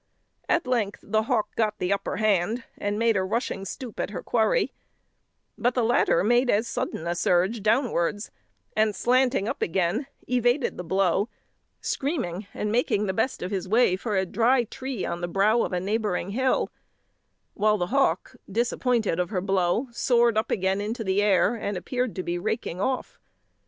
At length the hawk got the upper hand, and made a rushing stoop at her quarry, but the latter made as sudden a surge downwards, and slanting up again evaded the blow, screaming and making the best of his way for a dry tree on the brow of a neighbouring hill; while the hawk, disappointed of her blow, soared up again into the air, and appeared to be "raking" off.